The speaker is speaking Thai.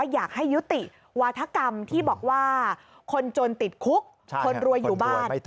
อยากให้ยุติวาธกรรมที่บอกว่าคนจนติดคุกคนรวยอยู่บ้าน